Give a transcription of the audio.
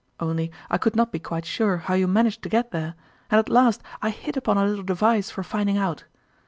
Only I could not be quite sure how you managed to get there, and at last I hit upon a little device for finding out.